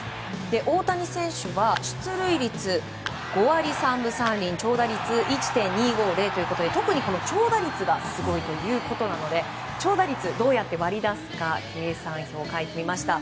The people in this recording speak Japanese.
大谷選手は出塁率５割３分３厘長打率１．２５０ということで特に長打率がすごいということなので長打率、どうやって割り出すか計算表を書いてみました。